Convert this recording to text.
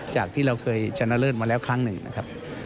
จากที่เราเคยชนะเลิศมาแล้วครั้งหนึ่งนะครับ